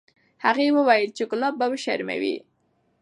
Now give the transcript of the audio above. هغې وویل چې ګلاب به وشرموي.